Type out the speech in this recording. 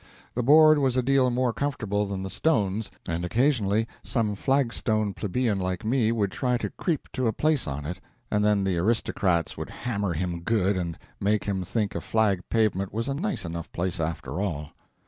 The board was a deal more comfortable than the stones, and occasionally some flag stone plebeian like me would try to creep to a place on it; and then the aristocrats would hammer him good and make him think a flag pavement was a nice enough place after all.